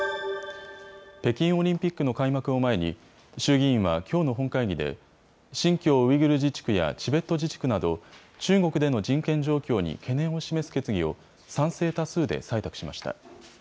北京オリンピックの開幕を前に、衆議院はきょうの本会議で、新疆ウイグル自治区やチベット自治区など、中国での人権状況に懸念を示す決議を、賛成多数で採択しました。